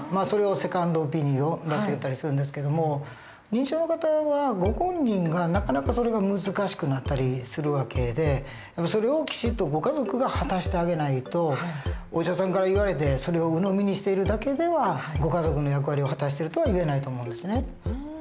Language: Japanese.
それをセカンドオピニオンっていったりするんですけども認知症の方はご本人がなかなかそれが難しくなったりする訳でそれをきちっとご家族が果たしてあげないとお医者さんから言われてそれをうのみにしているだけではご家族の役割を果たしてるとはいえないと思うんですね。